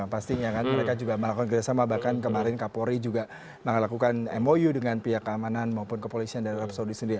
pastinya kan mereka juga melakukan kerjasama bahkan kemarin kapolri juga melakukan mou dengan pihak keamanan maupun kepolisian dari arab saudi sendiri